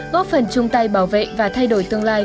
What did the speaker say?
góp phần chung tay bảo vệ và thay đổi tương lai